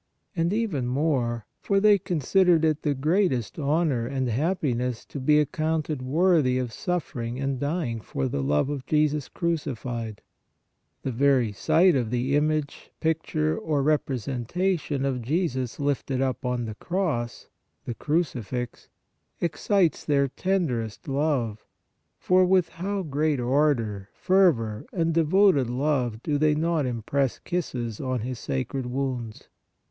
And even more, for they considered it the greatest honor and happiness to be accounted worthy of suffering and dying for the love of Jesus crucified ! The very sight of the image, picture or representa tion of " Jesus lifted up on the cross," THE CRUCI FIX, excites their tenderest love, for with how great ardor, fervor and devoted love do they not impress kisses on His sacred wounds